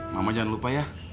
mama jangan lupa ya